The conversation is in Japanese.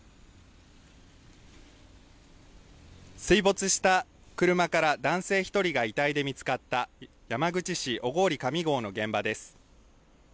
水没した車から男性１人が遺体で見つかった山口市小郡上郷の現場です。